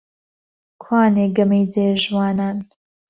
کوانێ گەمەی جێ ژوانان؟